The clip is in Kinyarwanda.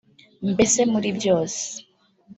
mbese muri byose